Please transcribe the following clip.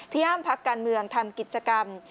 ห้ามพักการเมืองทำกิจกรรม